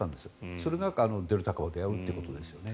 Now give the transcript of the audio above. それがデルタ株ということですよね。